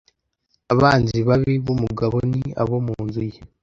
Abanzi babi bumugabo ni abo mu nzu ye